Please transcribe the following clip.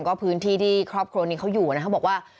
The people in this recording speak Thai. ก็พื้นที่ที่ครอบครัวนี้เขาอยู่นะเขาบอกว่า